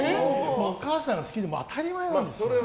お母さん好きって当たり前なんですよ。